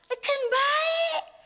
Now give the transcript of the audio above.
eh kan baik